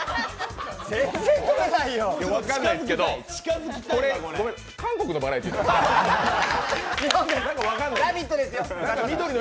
分からないんですけど、これ、韓国のバラエティーなの？